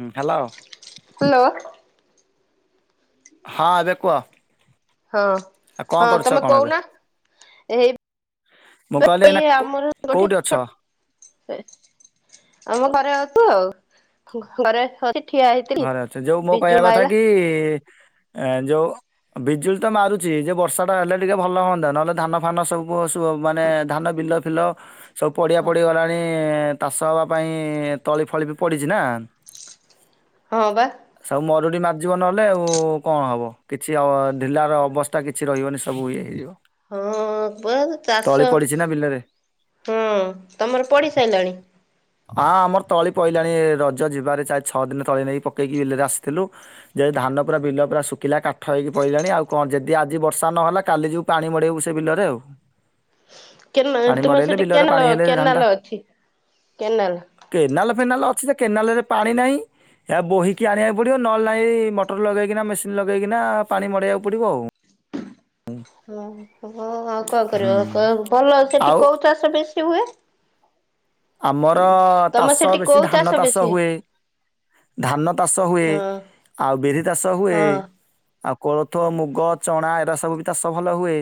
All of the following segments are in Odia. ହଁ ହ୍ୟାଲୋ ହ୍ୟାଲୋ ହଁ ଦେଖୁହ ହଁ ହଁ ତମେ କହୁନା ଏଇ ମୁଁ କହିଲି ଇ ଏଇନା କୋ ଆମର ଗୋଟେ କୋଉଠି ଅଛ ଛୋ ସେ ଆମ ଘରେ ଆଉ ଘରେ ଠିଆ ହେଇଥିଲି ଘରେ ଅଛ ଯୋଉ ମୋ କହିବା ବିଜୁଳି କଥା ମାଇଲା କି ଯୋଉ ବିଜୁଳି ତ ମାରୁଛି ଯେ ବର୍ଷା ଟା ହେଲେ ଟିକେ ଭଲ ହୁଅନ୍ତା ନହେଲେ ଧାନ ଫାନ ସବୁ ମାନେ ଧାନ ଫିଲ ଫିଲ ସବୁ ପଡ଼ିଆ ହଁ ପଡ଼ିିଗଲାଣି ଚାଷ ହବା ପାଇଁ ତଳି ଫଳି ବି ପଡିଛି ନା ହଁ ବା [unintelligible] ହଁ ବ ତଳି ଚାଷ ପଡିଛି ନା ବିଲରେ ହଁ ତମର ପଡି ସାରିଲାଣି। ହଁ ଆମର ତଳି ପହିଲାଣି ରଜ ଯିବାରେ ଚାରି ଛଅ ଦିନ ତଳି ନେଇକ ପକେଇକି ବିଲରେ ଆସିଥିଲୁ। ଧାନ ପା ବିଲ ପା ଶୁଖିଲା କାଠ ହେଇି ପିଲଲାଣି ଆଉ କଣ ଯଦି ଆଜି ବର୍ଷା ନହେଲା କାଲି ଯୋଉ ପାଣି ମଡେଇବୁ ସେ ବିଲ ଚରେ ଆଉ କେ ପାଣି ତୁମର ମଡେଇଲେ ସେଠି ବିଲରେ କେନାଲ ପାଣି ହେଲେ ଧାନଟା କେନାଲ ଅଛି କେନାଲ। ଫନାଲ ଅଛି କେନାଲ ରେ ପାଣି ନାହିଁ। ଏହା ବୋହିକି ଆଣିବାକୁ ପଡିବ ନଲ ନହି ମଟର ଲଗେଇକିନା ମେସିନ ଲଗେଇକିନା ପାଣି ମଡେଇବାକୁ ପଡିବ ଆଉ ହ ଓ ହୋ ଆଉ କଣ ହୁଁ। କର ଭଲ ସେଠି ଆଉ କୋଉ ଚାଷ ବେଶୀ ହୁଏ ଆମର ତମ ଚାଷ ସେଠି ବେଶୀ କୋଉ ଧାନ ଚାଷ ବେଶୀ ହୁଏ ଧାନ ଚାଷ ହୁଏ ହଁ ଆଉ ବିରି ଚାଷ ହୁଏ ହଁ ଆଉ କୋଳଥ ମୁଗ ଚଣା ଏରା ସବୁ ବି ଚାଷ ଭଲ ହୁଏ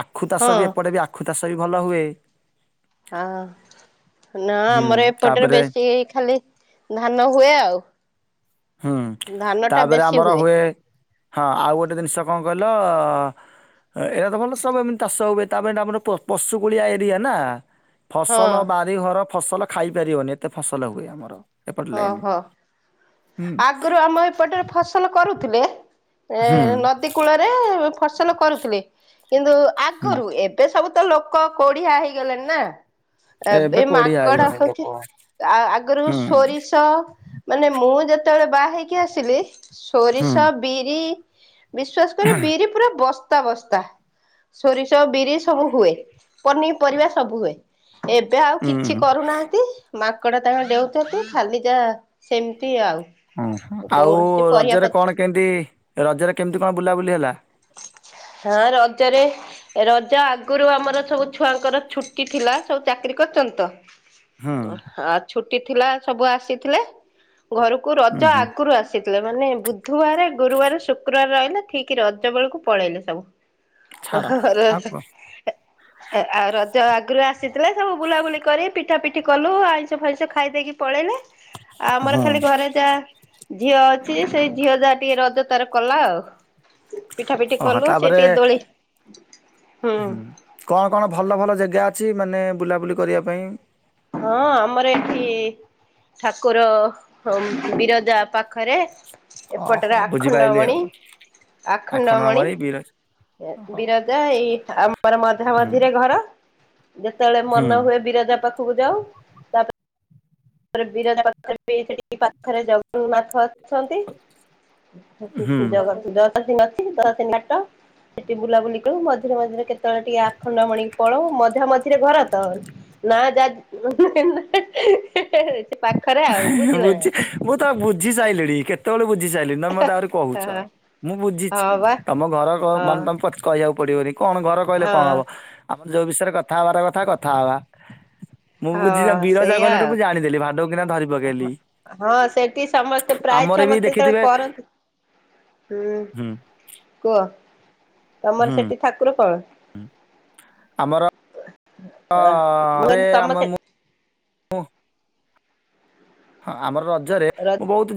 ଆଖୁ ହଁ ଚାଷ ବି ଏପଟେ ବି ଆଖୁ ଚାଷ ବି ଭଲ ହୁଏ ହାଁ ନା ହୁଁ ଆମର ଏପଟରେ ତାପରେ ବେଶୀ ଖାଲି ଧାନ ହୁଏ ଆଉ ହୁଁ ଧାନ ଟା ତାପରେ ବେଶୀ ଆମର ହୁଏ ହଁ ଆଉ ଗୋଟେ ଜିନିଷ କଣ କହିଲ ଏଇଟା ତ ଭଲ ସବୁ ଏମିତି ଚାଷ ହୁଏ ତାପରେ ଏଇଟା ଆମର ପଶୁକୁଳିଆ ଏରିଆ ନା ହଁ ଫସଲ ବାରିଘର ଫସଲ ଖାଇପାରିବନି ଏତେ ଫସଲ ହୁଏ ଆମର ଏପଟ ଲାଇନ୍ ଓହୋ ଆଗରୁ ଆମ ଏପଟରେ ଫସଲ କରୁଥିଲେ ଏ ହୁଁ ନଦୀ କୂଳରେ ଫସଲ କରୁଥିଲେ କିନ୍ତୁ ହୁଁ ଆଗରୁ ଏବେ ସବୁ ତ ଲୋକ କୋଡିିଆ ହେଇଗଲେଣି ନା ଏ ଏବେ ଏଇ କୋଢିଆ ମାଙ୍କଡ ହେଇଗଲେଣି ଲୋକ ହଉଛି ଆ ଆଗରୁ ହୁଁ ହୁଁ। ସୋରିଷ ମାନେ ମୁଁ ଯେତେବେଳେ ବାହା ହେଇକି ଆସିଲି ହୁଁ ସୋରିଷ ବିରି ବିଶ୍ଵାସ କରି ବିରି ପୁରା ବସ୍ତ ବସ୍ତାବସ୍ତା ସୋରିଷ ବିରି ସବୁ ହୁଏ ପନିପରିବା ସବୁ ହୁଏ ଏବେ ଆଉ ହୁଁ କିଛି ହୁଁ କରୁନାହାନ୍ତି ମାଙ୍କଡ ତାଙ୍କ ଡ଼େଉଛନ୍ତି ଖାଲି ଯା ସେମିତି ଆଉ ହୁଁ ଆଉ କୌଣସି ପରିବା ରଜରେ ପତ୍ର କଣ କେମିତି ରଜରେ କେମିତି କଣ ବୁଲାବୁଲି ହେଲା ସିଂଁ ହଁ ରଜାରେରେ ରଜ ଆଗରୁ ଆମର ସବୁ ଛୁଆଙ୍କର ଛୁଟି ଥିଲା ସବୁ ଚାକିରି କରୁଚନ୍ତି ହୁଁ ତ ହା ଛୁଟି ଥିଲା ସବୁ ଆସିଥିଲେ। ଘରକୁ ରଜ ହୁଁ ହୁଁ ଆଗୁରୁ ଆସିଥିଲେ। ମାନେ ବୁଧବାର ଗୁରୁବାର ଶୁକ୍ରବାର ରହିଲେ ଠିକ୍ ର ସେବେଳକୁ ପଳେଇଲେ ସବୁ। ଛାଡ ଆଉ କୁହ ଆ ର ଜ ଆଗରୁ ଆସିଥିଲେ। ସବୁ ବୁଲାବୁଲି କରି ପିଠା ପିଠି କଲୁ ଆଇଁଷ ଫାଇଁଷ ଖାଇ ଦେଇକି ପଳେଇଲେ। ଆମର ହୁଁ। ଖାଲି ଘରେ ଯା ଝିଅ ସିଏ ସେଇ ଝିଅ ଯାହା ଟିକେ ରଜ ତାର କଲା ଆଉ। ପିଠା ପିଠି ଓହୋ କଲୁ ସେ ତାପରେ ଟିକେ ଦୋଳି ହୁଁ କଣ କଣ ଭଲ ଭଲ ଜେଗା ଅଛି ମାନେ ବୁଲାବୁଲି କରିବା ପାଇଁ। ହଁ ଆମର ଏଇଠି ଠାକୁର ବିରଜା ପାଖରେ ଏପଟରେ ଓହୋ ବୁଝିପାଇଲି ଆଖଣ୍ଡଳମଣି ଆଉ ଆଖଣ୍ଡଳମଣି। ଓହୋ ବିରଜା। ଏଇ ଆମର ହୁଁ ମଝାମଝିରେ ଘର। ଯେତବେଳେ ହୁଁ। ମନ ହୁଏ ବିରଜା ପାଖୁକୁ ବି ଯାଉ ତାପରେ ବିରଜା ପାଖରେ [unintelligible] ସେଠି ପାଖରେ ଜଗନ୍ନାଥ ଅଛନ୍ତି। ହୁଁ [unintelligible] ଜଗତି ନାଟ। ସେଠି ବୁଲାବୁଲି କରୁ ମଝିରେ ମଝିରେ କେତବେଳେ ଟିକେ ଆଖଣ୍ଡ ମଣି କି ପଳଉ ମଝା ମଝିରେ ଘର ତ। ନାଁଏ ଯା ସେ ପାଖରେ ଆଉ ବୁଝିଲେ ନା। ବୁଝି ମୁଁ ତ ବୁଝି ସାଇଲିିଣି କେତବେଳେ ବୁଝି ବୁଝିସାଇଲିଣି ତମେ ମୋତେ ଆହୁରି କହୁଚ। ହଁ ମୁଁ ବୁଝିଚି। ହଁ ବା ତମ ଘର କଁ ହଁ ମାନେ ତମ ପତ୍ କହିବାକୁ ପଡିବନି। କଣ ଘର କହିଲେ କଣ ହଁ ହବ ଆମର ଯୋଉ ବିଷୟରେ କଥା ହବାର କଥା କଥା ହବା। ମୁଁ ବୁଝିଚି ହଁ ତମ୍ ବିରଜା ସେଇଆ କଇଲା ଠୁଁ ମୁଁ ଜାଣିଦେଲି ମାଡ଼କ୍ ହଁ ସେଠି ସମସ୍ତେ ପ୍ରାୟ ଆମର ଛୁଆ ବି ମତେ ଯେତବେଳେ ଦେଖିଥିବେ କରନ୍ତି ହୁଁ କୁହ ହୁଁ ତମର ସେଠି ଠାକୁର କଣ? ଆମର ମୁଁ ରେ କହିଲି ତମ ଆମେ ସେ ମୁଁ ହୁଁ। ହଁ ଆମର ରଜରେ ର ମୁଁ ବହୁତ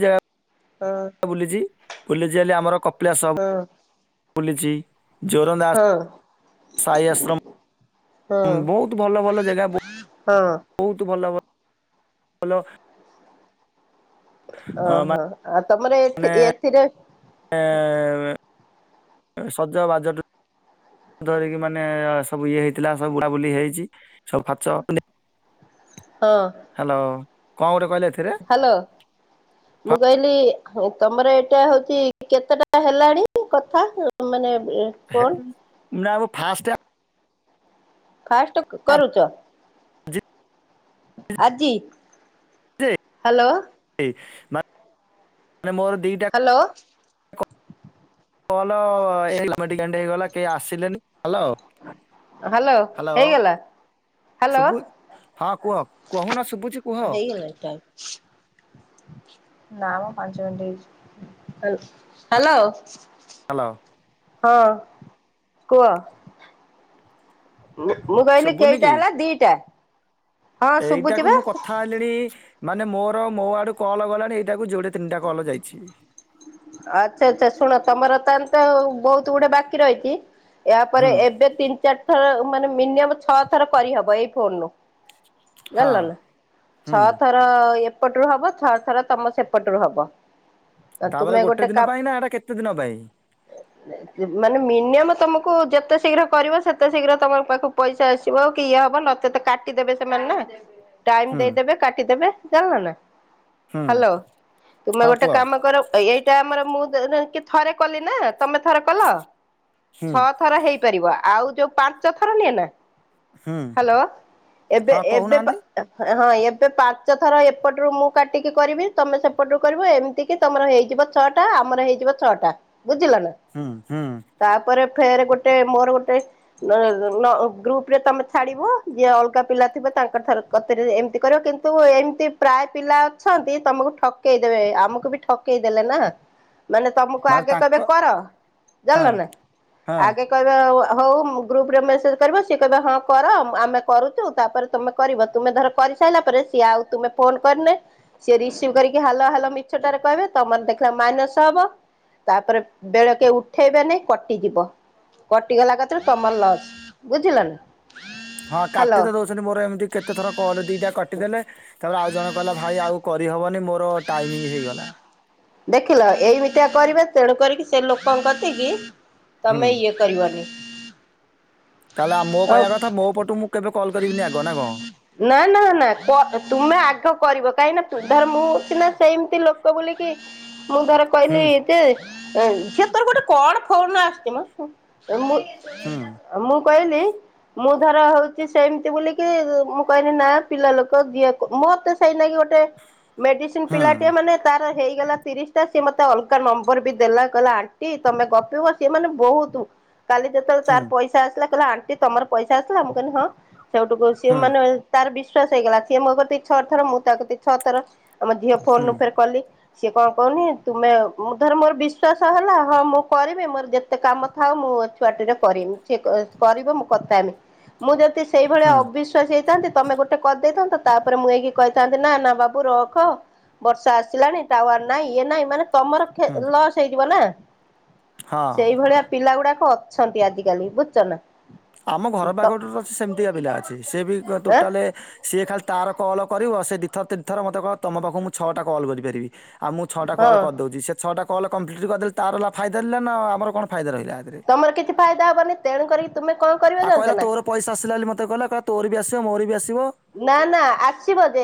ହଁ ଜାଗା ବୁଲିଚି ବୁଲିଚି ହେଲେ ଆମର କପିଳାସ ହବ। ହଁ। ବୁଲିଚି ଜୋରନ୍ଦାସ୍ ହଁ ସାହି ଆଶ୍ରମ ହଁ ବହୁତ ଭଲ ଭଲ ଜାଗା ହଁ ବହୁତ ଭଲ ଭଲ। ହାଲୋ। ଓହୋ ଆ ତମର ଏଥି ମାନେ ଏଥିରେ ସଜବାଜଠୁ [unintelligible] ହଁ ହ୍ୟାଲୋ କଣ ଗୋଟେ କହିଲେ ଏଥିରେ ହ୍ୟାଲୋ ମୁଁ ହଁ କହିଲି ତମର ଏଇଟା ହଉଛି କେତେଟା ହେଲାଣି କଥା ମାନେ ହେ ଫୋନ୍ ନା ମୁଁ ଫାଷ୍ଟ ଆ ଫାଷ୍ଟ କରୁଚ? ଜି ଆଜି? ହ୍ୟାଲୋ [unintelligible] ମା ମାନେ ମୋର ଦିଇଟା ହ୍ୟାଲୋ କଲ [unintelligible] ହେଇଗଲା କେହି ଆସିଲେନି, ହ୍ୟାଲୋ ହ୍ୟାଲୋ ହେଇଗଲା? ହ୍ୟାଲୋ ଶୁଭୁ ହଁ କୁହ କହୁନ ଶୁଭୁଛି କୁହ। [inaudible] ହେଇଗଲା ହାଲ୍ ହ୍ୟାଲୋ। ହ୍ୟାଲୋ। ହଁ କୁହ। ମୁଁ ମୁଁ କହିଲି ଶୁଭୁନି କି? କେଇଟା ହେଲା ଦିଟା? ହଁ ଶୁଭୁଛି ଏଇଟାକୁ ବା ମୁଁ କଥା ହେଲିଣି ମାନେ ମୋର ମୋ ଆଡୁ କଲ ଗଲାଣି ଏଇଟାକୁ ଯୋଡେ ତିନିଟା କଲ ଯାଇଛି। ଆଚ୍ଛା ଆଚ୍ଛା ଶୁଣ ତମର ତାହେଲେ ତ ଆଉ ବହୁତୁ ଗୁଡେ ବାକି ରହିଛି। ୟାପରେ ହୁଁ ଏବେ ତିନି ଚାରି ଥର ମାନେ ମିନିୟମ ଛଅ ଥର କରିହବ ଏଇ ଫୋନରୁୁ। ହଁ ଜାଣିଲ ନା ହୁଁ ଛଅଥର ଏ ଏପଟରୁ ହବ ଛଅ ଥର ତମ ସେପଟରୁ ହବ। ତାପରେ ତୁମେ ଗୋଟେ ଦିନ କାପ ପାଇଁ ନା ଏଟା କେତେ ଦିନ ପାଇଁ ମାନେ ମିନିଯମ୍ ତମକୁ କୁ ଯେତେ ଶୀଘ୍ର କରିବ ସେତେ ଶୀଘ୍ର ତମର ପାଖକୁ ପଇସା ଆସିବ କି ଇଏ ହବ ନଚେତ କାଟିଦେବେ ସେମାନେ ନା। ଦେବେ ଟାଇମ ହୁଁ ଦେଇଦେବେ କାଟିଦେବେ ଜାଣିଲ ନା ହୁଁ ହାଲୋ ତୁମେ ହଁ ଗୋଟେ କୁହ କାମ କର ଏଇଟା ଆମର ମୁଁ ଦେ [unintelligible] ଥରେ କଲି ନା ତମେ ଥରେ କଲ ହୁଁ ଛଅ ଥର ହେଇ କରିବ ଆଉ ଯୋଉ ପାଞ୍ଚ ଥର ନିଏନା ହୁଁ ହାଲୋ ଏବେ ହଁ ଏବେ କହୁନାହାନ୍ତି ହଁ ଏବେ ପାଞ୍ଚ ଥର ଏପଟରୁ ମୁଁ କାଟିକି କରିବି ତମେ ସେପଟୁ କରିବ ଏମିତି କି ତମର ହେଇ ଯିବ ଛଅଟା ଆମର ହେଇଯିବ ଛଅଟା ବୁଝିଲ ନା ହୁଁ ହୁଁ ତାପରେ ଫେରେ ଗୋଟେ ମୋର ଗୋଟେ ଗ୍ରୁପରେ ତମେ ଛାଡିବ ଯିଏ ଅଲଗା ପିଲା ଥିବେ ତାଙ୍କ ଥରୁ କତିରେ ଏମିତି କରିବ କିନ୍ତୁ ଏମିତି ପ୍ରାୟ ପିଲା ଅଛନ୍ତି ତମୁକୁ ଠକେଇ ଦେବେ ଆମ୍ ଆମୁକୁ ବି ଠକେଇ ଦେଲେନା। ମାନେ ତମୁକୁ ମାନେ ଆଗେ ତାଙ୍କ କହିବେ କର ଜାଣିଲ ହଁ ନା ହଁ ଆଗେ କହିବେ ହୋଉ ମୁଁ ଗ୍ରୁପରେ ମେସେଜ କରିବ ସିଏ କହିବେ ହଁ କର ଆମେ କରୁଚୁ ତାପରେ ତୁମେ କରିବ ତୁମେ ଧର କରି ହେଇସାରିଲା ପରେ ସିଏ ଆଉ ତୁମେ ଫୋନ୍ କରିନେ ସିଏ ରିସିଭ୍ କରିକି ହାଲୋ ହାଲୋ ମିଛଟାରେ କହିବେ ତମର ଦେଖିଲା ମାଇନସ ହବ ତାପରେ ବେଳେକେ ଉଠେଇବେନି କଟିଯିବ। କଟିଗଲା କତିରୁ ତମର ଲସ୍ ବୁଝିଲ ନା। ହଁ ହାଲୋ କାଟି ତ ଦୋଉଚନ୍ତି ମୋର ଏମିତି କେତେ ଥର କଲ୍ ଦିଟା କାଟିଦେଲେ ତାପରେ ଆଉ ଜଣେ କହିଲା ଭାଇ ଆଉ କରିହବ ମାନେ ମୋର ଟାଇମିଙ୍ଗ ହେଇଗଲା। ଦେଖିଲ ଏଇମିତିଆ କରିବେ ତେଣୁ କରିକି ସେ ଲୋକଙ୍କ କତିକି ହୁଁ ତମେ ଇଏ କରିବନି। ତାହେଲେ ଆ ମୋ କହିବା କଥା ମୋ ପଟୁ ମୁଁ କେବେ କଲ୍ କରିବିନି ଆଗ ନା କଣ? ନାଁ ନାଁ ନାଁ କ ତୁମେ ଆଗ କରିବ କାହିଁକି ନାଁ ମୁଁ ସିନା ସେମତି ଲୋକ ବୋଲିକି ମୁଁ ଧର ହୁଁ କହିଲି ଯେ ଏଇ ଝିଅ ତୋର ଗୋଟେ କଣ ଫୋନ ଆସୁଚି ହୁଁ ମ? କହିଲି ମୁଁ ଧର ହଉ ସେ ସେମତି ବୋଲିକି ମୁଁ କହିଲି ନା ପିଲା ଲୋକ ଦିଏ ମତେ ସେଇନାକିି ଗୋଟେ ମେଡିସିନ ହୁଁ ପିଲାଟିଏ ମାନେ ତାର ହେଇଗଲା ତିରିଶି ଟା ସିଏ ମତେ ଅଲଗା ନମ୍ବର ବି ଦେଲା କହିଲା ଆଣ୍ଟି ତମେ ଗପିବ ସିଏ ମାନେ ବହୁତ କାଲି ଯେତବେଳେ ହୁଁ ତାର ପଇସା ଆସିଲା କହିଲା ଆଣ୍ଟି ତମର ପଇସା ଆସିଲା ମୁଁ କହିଲି ହଁ। ସେଇଠୁକୁ ସିଏ ହୁଁ ମାନେ ତାର ବିଶ୍ଵାସ ହେଇଗଲା ସିଏ ମୋ କତିକି ଛଅ ଥର ମୁଁ ତା କତିକି ଛଅ ଥର। ଆମ ଝିଅ ଫୋନରୁୁ ହୁଁ ଫେର କଲି। ସିଏ କଣ କହୁନି ତୁମେ ଧର ମୋର ବିଶ୍ଵାସ ହେଲା ହଁ ମୁଁ କରିବି। ମୋର ଯେତେ କାମ ଥାଉ ମୁଁ ପୁଅ ଛୁଆଟିର କରିନି। ସେ କରିବ ମୁଁ କଥା ହେମି। ମୁଁ ଯଦି ସେଇଭଳିଆ ହୁଁ ଅବିଶ୍ୱାସୀ ହେଇଥାନ୍ତି। ତମେ ଗୋଟେ କରିଦେଇଥାନ୍ତ। ତାପରେ ମୁଁ ଏଇକି କହିଥାନ୍ତି ନା ନା ବାବୁ ରଖ। ବର୍ଷା ଆସିଲାଣି। ଟାୱାର ନାଇଁ ଇଏ ନାଇଁ ମାନେ ତମର ଖେ ହୁଁ ଲସ୍ ହେଇଯିବ ନା। ହଁ। ସେଇଭଳିଆ ପିଲା ଗୁଡାକ ଅଛନ୍ତି ଆଜିକାଲି ବୁଝୁଚ ନା? ଆମ ଘର ପାଖ ତ [unintelligible] ସେମତିକା ପିଲା ଅଛି। ସେ ବି ଗ ଆଁ ଟୋଟାଲେ ସେ ଖାଲି ତାର କଲ୍ କରିବ। ସେ ଦି ଥର ତିନି ଥର ମତେ କହିବ ତମ ପାଖକୁ ମୁଁ ଛଅଟା କଲ କରି ପାରିବି। ଆଉ ମୁଁ ଛଅଟା କଲ ହଁ କରିଦଉଚି। ସେ ଛଅଟା କଲ କମ୍ପ୍ଲିଟ କରିଦେଲେ ତାର ଲା ଫାଇଦା ରହିଲା ନା ଆମର କଣ ଫାଇଦା ରହିଲା। ଏଥିରେ। ତମର କିଛି ଫାଇଦା ହବନି ତେଣୁ କରିକି ତୁମେ କଣ କରିବ ଆଉ ଜାଣିଛ କହିଲା ନା ତୋର ପଇସା ଆସିଲା ବୋଲି ମତେ କହିଲା ତୋର ବି ଆସିବ ମୋ ବି ଆସିବ ନା ନା ଆସିବ ଯେ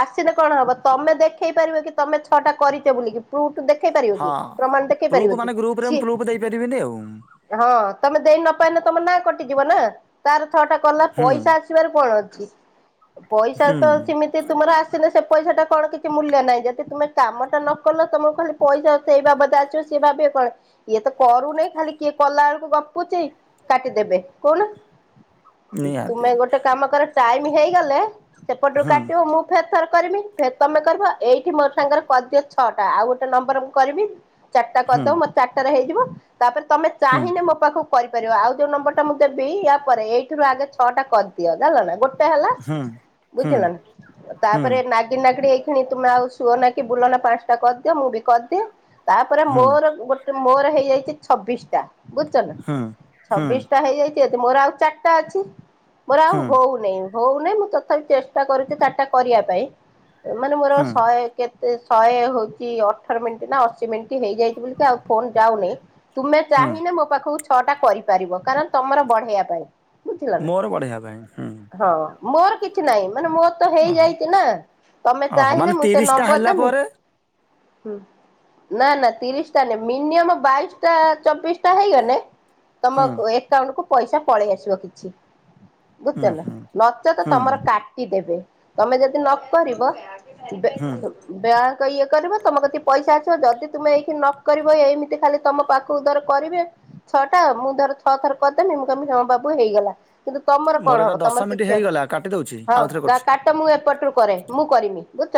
ଆସିଲେ କଣ ହବ ତମେ ଦେଖେଇ ପାରିବ କି ତମେ ଛଅଟା କରିଛ ବୋଲିକି ଦେଖେଇ ପାରିବ କି ହଁ। ପ୍ରମାଣ ଦେଖେଇ ପ୍ରୁଫ୍ ପାରିବ କି ମାନେ ଗ୍ରୁପରେ ମୁଁ ସିଏ ପ୍ରୁଫ୍ ଦେଇପାରିବିନି ଆଉ ହଁ ତମେ ଦେଇ ନ ପାଇଁ ତମ ନା କଟିଯିବ ନା ତାର ଛଅଟା କଲା ହୁଁ ପଇସା ଆସିବାର କଣ ଅଛି? ପଇସା ହୁଁ ତ ସେମିତି ତୁମର ଆସିନି ସେ ପଇସା ଟା କଣ କିଛି ମୂଲ୍ୟ ନାହିଁ ଯଦି ତୁମେ କାମଟା ନ କଲ ତମକୁ ଖାଲି ପଇସା ସେଇ ବାବଦ ଆସିବ ସିଏ ଭାବିବ କଣ ଇଏ ତ କରୁନି ଖାଲି କିଏ କଲା ବେଳକୁ ଗପୁଛି କାଟି ଦେବେ କହୁନା? ନିହାତି। ତୁମେ ଗୋଟେ କାମ କର ଟାଇମ ହେଇଗଲେ ସେପଟରୁ ହଁ କାଟିବ ମୁଁ ଫେର ଥରେ କରିବି ଫେରେ ତମେ କରିବ ଏଇଠି ମୋର ସାଙ୍ଗରେ କରିଦିଅ ଛଅଟା ଆଉ ଗୋଟେ ନମ୍ବର ମୁଁ କରିବି ଚାରିଟା ହଁ କରିଦବ ମୋ ଚାରିଟାରେ ହେଇଯିବ ତାପରେ ତମେ ହଁ ଚାହିଁଲେ ମୋ ପାଖକୁ କରିପାରିବ ଆଉ ଯୋଉ ନମ୍ବରଟା ମୁଁ ଦେବି ୟା ପରେ ଏଇଥିରୁ ଆଗେ ଛଅଟା କରିଦିଅ ଜାଣିଲନା। ହେଲା ହଁ ବୁଝିଲ ନା ହଁ ତାପରେ ନାଗି ନାଗିଡେଇ ତୁମେ ଆଉ ଶୁଅ ନା କି ବୁଲ ନା ପାଞ୍ଚଟା କରିଦିଅ ମୁଁ ବି କରିଦିଏ ତାପରେ ହଁ ହଁ ମୋର ଗୋଟେ ମୋର ହେଇଯାଇଛି ଛବିଶିଟା ବୁଝୁଛ ନା ହଁ ହଁ ଛବିଶିଟା ହେଇଯାଇଛି। ଅଛି ମୋର ଆଉ ଚାରିଟା ଅଛି ମୋର ଆଉ ହଁ ହଉନହିଁ ହଉନାଇଁ ମୁଁ ତଥାପି ଚେଷ୍ଟା କରୁଛି ଚାରିଟା କରିବା ପାଇଁ ମାନେ ମୋର ଆଉ ହଁ ଶହେ କେତେ? ଶହେ ହଉଛି ଅଠର ମିନିଟ ନା ଅଶୀ ମିନିଟ୍ ହେଇଯାଇଛି ବୋଲିକି ଆଉ ଫୋନ ଯାଉନି ତୁମେ ହଁ ଚାହିଁଲେ ମୋ ପାଖକୁ ଛଅଟା କରିପାରିବ କାରଣ ତମର ବଢେଇବା ପାଇଁ ବୁଝିଲ ନା ମୋର ବଢେଇବା ପାଇଁ ହୁଁ ହଁ ମୋର କିଛି ନାହିଁ ମାନେ ମୋର ତ ଓହୋ ହେଇଯାଇଛି ନା ତମେ ଓହୋ ଚାହିଁଲେ ମାନେ ମୁଁ ସେ ତିରିଶ ଟା ନମ୍ବର ହେଲା ଦେମି ପରେ ହୁଁ। ନା ନା ତିରିଶି ଟା ନାଇଁ ମିନିୟମ ବାଇଶି ଟା ଚବିଶି ଟା ହେଇଗଲେ। ତମ ହଁ ଏକାଉଣ୍ଟ କୁ ପଇସା ପଳେଇ ଆସିବ କିଛି ବୁଝିଛ ହଁ ନା ହଁ ନଚେତ ହଁ ତମର କାଟିଦେବେ ତମେ ଯଦି ନ କରିବ। ହଁ ବ ବ ଇଏ କରିବ ତମ କତିକି ପଇସା ଆସିବ ଯଦି ତୁମେ ଏଇକ୍ଷିଣୀ ନ କରିବ ଏମିତି ଖାଲି ତମ ପାଖକୁ ଧର କରିବେ। ଛଅଟା ମୁଁ ଧର ଛଅ ଥର କରିଦେଲିି ମୁଁ କହିବି ହଁ ବାବୁ ହେଇଗଲା। କିନ୍ତୁ ତମର ମୋର କଣ ଏଟା ହବ ଦଶ ତମର ମିନିଟ୍ କିଛି ହେଇଗଲା କାଟି ଦଉଛି ହଁ ଆଉଥରେ କରୁଛି। କାଟ ମୁଁ ଏପଟରୁ କରେ ମୁଁ କରିମି ବୁଝୁଛ